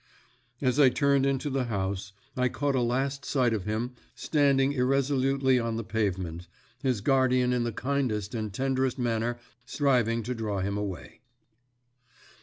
As I turned into the house I caught a last sight of him standing irresolutely on the pavement, his guardian in the kindest and tenderest manner striving to draw him away.